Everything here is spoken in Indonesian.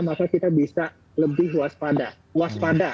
maka kita bisa lebih waspada waspada